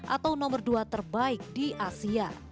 atau nomor dua terbaik di asia